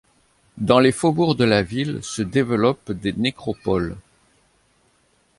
Dans les faubourgs de la ville se développent des nécropoles.